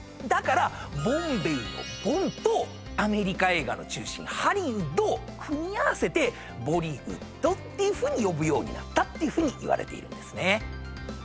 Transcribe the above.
だからボンベイのボンとアメリカ映画の中心ハリウッドを組み合わせてボリウッドっていうふうに呼ぶようになったっていうふうにいわれているんですね。